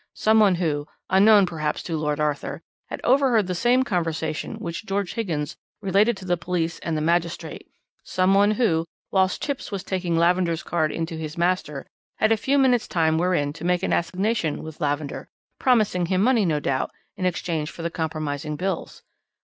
Someone who, unknown perhaps to Lord Arthur, had overheard the same conversation which George Higgins related to the police and the magistrate, someone who, whilst Chipps was taking Lavender's card in to his master, had a few minutes' time wherein to make an assignation with Lavender, promising him money, no doubt, in exchange for the compromising bills."